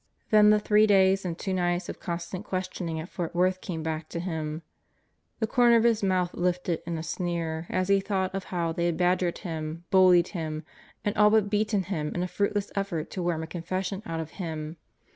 Then the three days and two nights of constant questioning at Fort Worth came back to him. The corner of his mouth lifted in a sneer as he thought of how they had badgered him, bullied him and all but beaten him in a fruitless effort to worm a confession out of him.